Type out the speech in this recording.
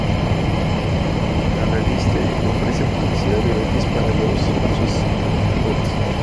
La reviste ofrece publicidad gratis para los subscriptores.